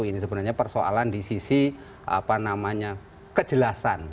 ini sebenarnya persoalan di sisi apa namanya kejelasan